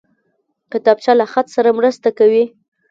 کتابچه له خط سره مرسته کوي